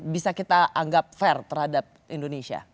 bisa kita anggap fair terhadap indonesia